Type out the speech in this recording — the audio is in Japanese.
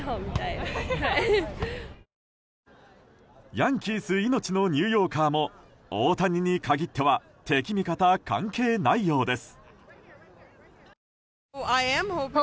ヤンキース命のニューヨーカーも大谷に限っては敵味方、関係ないようです。